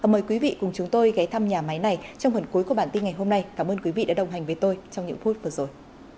mời quý vị cùng chúng tôi ghé thăm nhà máy này trong phần cuối của bản tin ngày hôm nay cảm ơn quý vị đã đồng hành với tôi trong những phút vừa rồi